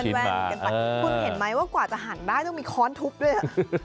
คุณเห็นไหมว่ากว่าจะหันได้ต้องมีค้อนทุบด้วย